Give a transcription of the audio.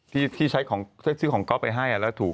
ที่ใช้ของซื้อของก๊อฟไปให้แล้วถูก